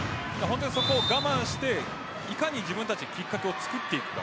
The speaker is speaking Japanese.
そこを我慢していかに自分たちにきっかけを作っていくか。